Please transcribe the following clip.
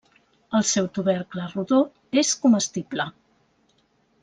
El seu tubercle rodó és comestible.